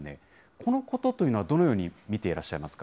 このことっていうのはどのように見ていらっしゃいますか。